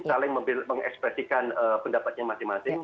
saling mengekspresikan pendapatnya masing masing